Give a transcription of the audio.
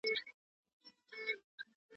پانګه د صنعت د عصري کېدو لپاره کارول کېږي.